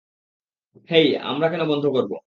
হেই, আমরা কেন বন্ধ করবো?